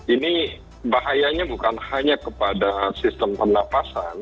ini bahayanya bukan hanya kepada sistem pernafasan